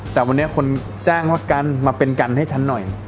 แต่วันนี้คนจ้างวัดกันมาเป็นกันให้ฉันหน่อย